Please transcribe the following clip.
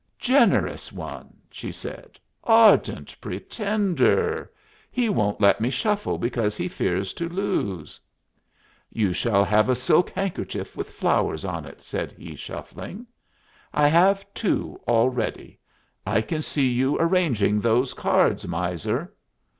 "Generous one!" she said. "Ardent pretender! He won't let me shuffle because he fears to lose." "You shall have a silk handkerchief with flowers on it," said he, shuffling. "I have two already. I can see you arranging those cards, miser!"